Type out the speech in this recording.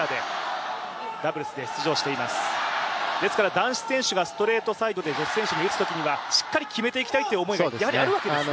男子選手がストレートサイドで女子選手に打つ場合にはしっかり決めていきたいという思いがやはりあるわけですよね。